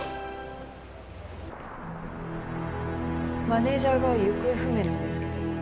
マネジャーが行方不明なんですけど。